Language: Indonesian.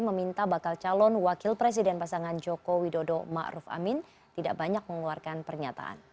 meminta bakal calon wakil presiden pasangan joko widodo ma'ruf amin tidak banyak mengeluarkan pernyataan